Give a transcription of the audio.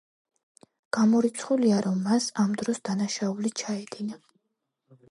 გამორიცხულია, რომ მას ამ დროს დანაშაული ჩაედინა.